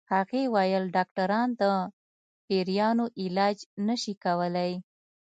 هغې ويل ډاکټران د پيريانو علاج نشي کولی